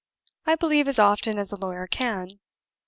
"I believe as often as a lawyer can.